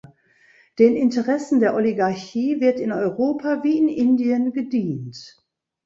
Den Interessen der Oligarchie wird in Europa wie in Indien gedient.